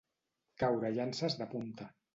Caure llances de punta.